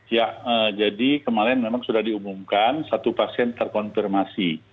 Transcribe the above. ya jadi kemarin memang sudah diumumkan satu pasien terkonfirmasi